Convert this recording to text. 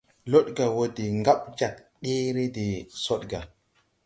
Lodgà wɔ de ŋgaɓ jag ɗeere de Sɔdgà.